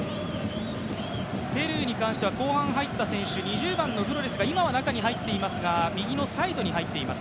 ペルーに関しては２０番の選手が今は中に入っていますが右のサイドに入っています。